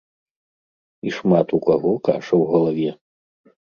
І шмат у каго каша ў галаве.